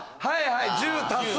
はいはい。